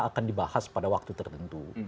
akan dibahas pada waktu tertentu